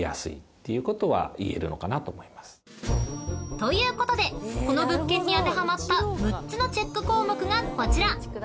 ［ということでこの物件に当てはまった６つのチェック項目がこちら！］